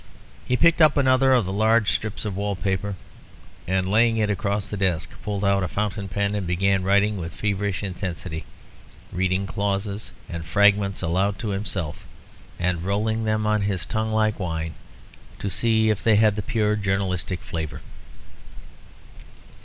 He picked up another of the large strips of wall paper, and, laying it across a desk, pulled out a fountain pen and began writing with feverish intensity, reading clauses and fragments aloud to himself, and rolling them on his tongue like wine, to see if they had the pure journalistic flavour.